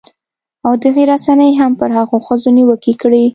او دغې رسنۍ هم پر هغو ښځو نیوکې کړې